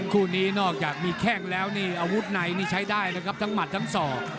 คู่นี้นอกจากมีแข้งแล้วนี่อาวุธในนี่ใช้ได้นะครับทั้งหมัดทั้งศอก